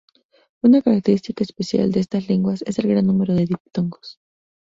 Una característica especial de estas lenguas es el gran número de diptongos.